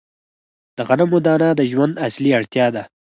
د غنمو دانه د ژوند اصلي اړتیا ده.